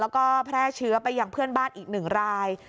แล้วก็แพร่เชื้อไปยังเพื่อนบ้านอีก๑ราย